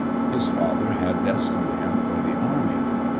His father had destined him for the army.